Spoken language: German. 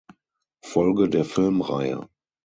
Folge der Filmreihe.